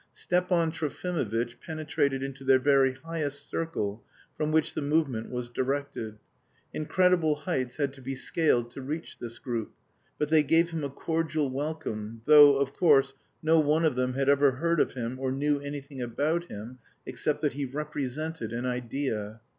Stepan Trofimovitch penetrated into their very highest circle from which the movement was directed. Incredible heights had to be scaled to reach this group; but they gave him a cordial welcome, though, of course, no one of them had ever heard of him or knew anything about him except that he "represented an idea."